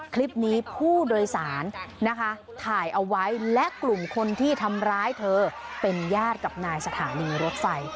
คลิปนี้ผู้โดยสารนะคะถ่ายเอาไว้และกลุ่มคนที่ทำร้ายเธอเป็นญาติกับนายสถานีรถไฟ